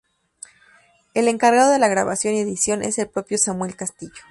El encargado de la grabación y edición es el propio Samuel Castillo.